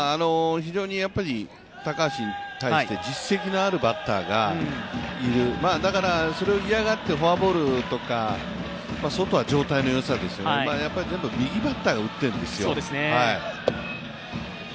非常に高橋に対して実績のあるバッターがいる、だからそれを嫌がってフォアボールとか全部右バッターが打ってるんですよ。